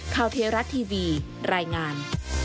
ข้าวเทราะห์ทีวีรายงาน